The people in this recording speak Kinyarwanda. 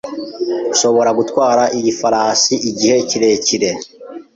Nshobora gutwara iyi farashi igihe kirekire?